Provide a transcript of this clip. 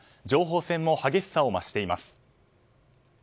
情報戦も激しさを増しています。